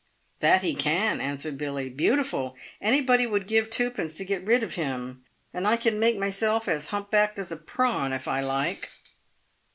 "That he can," answered Billy, "beautiful! Anybody would give twopence to get rid of him. And I can make myself as hump backed as a prawn, if I like."